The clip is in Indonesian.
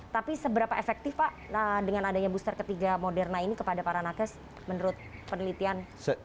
tapi seberapa efektif pak dengan adanya booster ketiga moderna ini kepada para nakes menurut penelitian